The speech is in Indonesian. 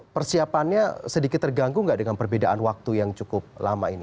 persiapannya sedikit terganggu nggak dengan perbedaan waktu yang cukup lama ini